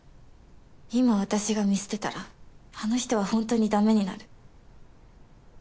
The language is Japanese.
今私が見捨てたらあの人はホントにダメになる。